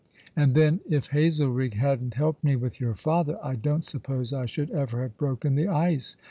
And then if Hazelrigg hadn't helped me with your father, I don't suppose I should ever have broken the ice.